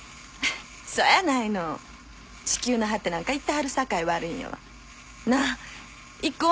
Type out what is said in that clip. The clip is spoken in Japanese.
そやないの地球の果てなんか行ってはるさかい悪いんよなあ行こう！